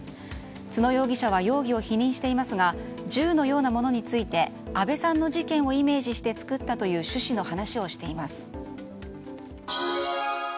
津野容疑者は容疑を否認していますが銃のようなものについて安倍さんの事件をイメージして作ったという趣旨の話をしています。